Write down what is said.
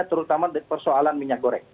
terutama persoalan minyak goreng